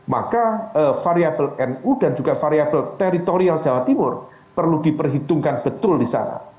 maka variable nu dan juga variable teritorial jawa timur perlu diperhitungkan betul di sana